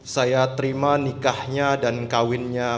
saya terima nikahnya dan kawinnya